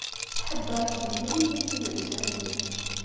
Tḥeddeṛ deg temliliyin tidelsanin.